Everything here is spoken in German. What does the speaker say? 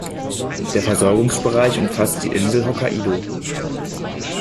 Der Versorgungsbereich umfasst die Insel Hokkaidō.